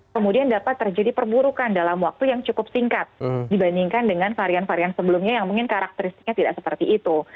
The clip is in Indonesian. kemudian dapat terjadi perburukan dalam waktu yang cukup singkat dibandingkan dengan varian varian sebelumnya yang mungkin karakteristiknya tidak seperti itu